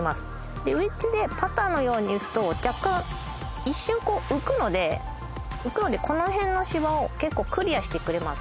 でウェッジでパターのように打つと若干一瞬こう浮くのでこの辺の芝を結構クリアしてくれます。